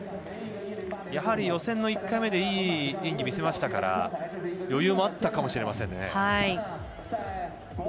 やはり予選の１回目でいい演技を見せましたから余裕もあったかもしれませんね。